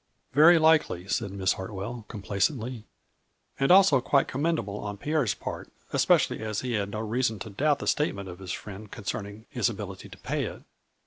" Very likely," said Miss Hartwell, complac ently, " and also quite commendable on Pierre's part, especially as he had no reason to doubt the statement of his friend concerning his ability to pay it.